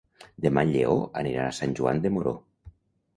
Demà en Lleó anirà a Sant Joan de Moró.